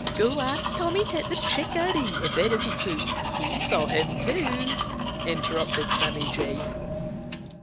"Go ask Tommy Tit the Chickadee if it isn't true. He saw him too," interrupted Sammy Jay.